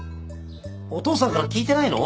お父さんから聞いてないの？